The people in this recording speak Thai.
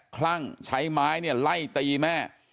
คลั่งใช้ไม้ไล่ตีแม่